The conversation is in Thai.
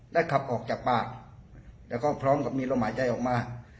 ขับออกจากปากแล้วก็พร้อมกับมีลมหายใจออกมา